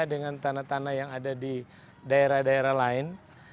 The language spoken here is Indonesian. dengan tanah tanah yang ada di daerah daerah lain